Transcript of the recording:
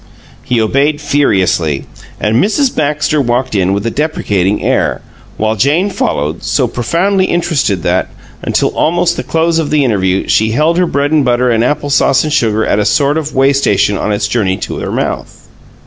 He obeyed furiously, and Mrs. Baxter walked in with a deprecating air, while Jane followed, so profoundly interested that, until almost the close of the interview, she held her bread and butter and apple sauce and sugar at a sort of way station on its journey to her mouth.